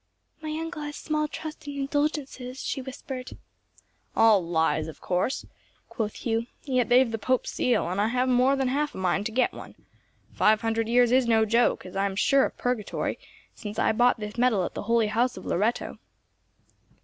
"My uncle has small trust in indulgences," she whispered. "All lies, of course," quoth Hugh; "yet they've the Pope's seal, and I have more than half a mind to get one. Five hundred years is no joke, and I am sure of purgatory, since I bought this medal at the Holy House of Loretto."